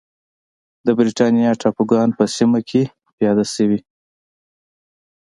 د برېټانیا ټاپوګان په سیمه کې پیاده شوې.